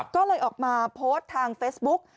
ก็เลยออกมาโพสต์ทางเฟซบุ๊ก